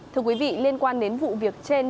thưa quý vị liên quan đến vụ việc trên